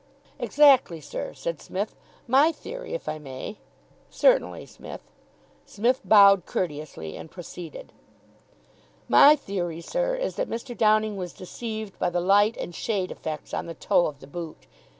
"Exactly, sir," said Psmith. "My theory, if I may ?" "Certainly, Smith." Psmith bowed courteously and proceeded. "My theory, sir, is that Mr. Downing was deceived by the light and shade effects on the toe of the boot.